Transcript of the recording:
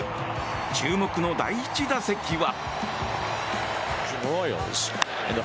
注目の第１打席は。